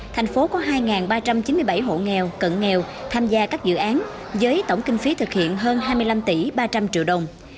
thành phố có hai ba trăm chín mươi bảy hộ nghèo cận nghèo tham gia các dự án với tổng kinh phí thực hiện hơn hai mươi năm tỷ ba trăm linh triệu đồng